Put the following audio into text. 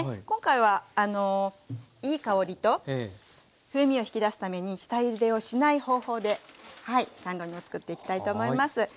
今回はいい香りと風味を引き出すために下ゆでをしない方法ではい甘露煮を作っていきたいと思います。